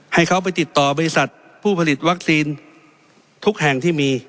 ให้เขาไปติดต่อบริษัทผู้ผลิตวัคซีนทุกแห่งที่มี